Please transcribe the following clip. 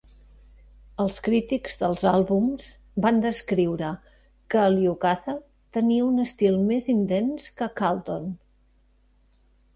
Els crítics dels àlbums van descriure que Lukather tenia un estil més intens que Carlton.